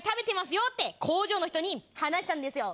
よって工場の人に話したんですよ。